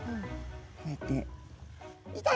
こうやって。